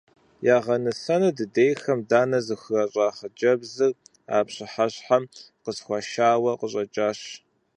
Ягъэнысэну дыдейхэм данэ зыхуращӀа хъыджэбзыр а пщыхьэщхьэм къысхуашауэ къыщӀэкӀащ.